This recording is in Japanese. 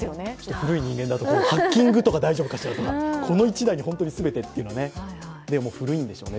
古い人間だと、ハッキングとか大丈夫かしらとかこの１台に全てとか、それはもう古いんでしょうね。